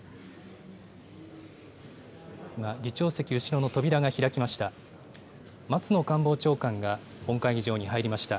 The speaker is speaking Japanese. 今、議長席後ろの扉が開きました。